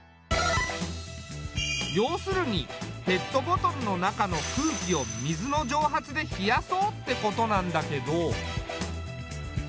要するにペットボトルの中の空気を水の蒸発で冷やそうってことなんだけど。